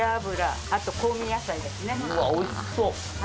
うわおいしそう！